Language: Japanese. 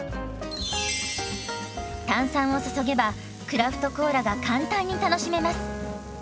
炭酸を注げばクラフトコーラが簡単に楽しめます。